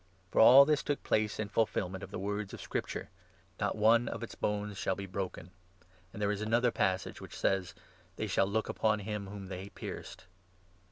For all this took place in fulfilment of 36 the words of Scripture —' Not one of its bones shall be broken.' And there is another passage which says — 37 ' They will look upon him*whom they pierced.'